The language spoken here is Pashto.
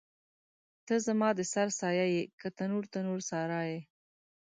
ته زما د سر سایه یې که تنور، تنور سارا یې